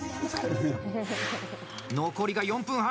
残りが４分半。